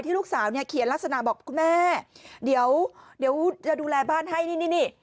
ที่ลูกสาวเขียนลักษณะบอกคุณแม่เดี๋ยวจะดูแลบ้านให้นี่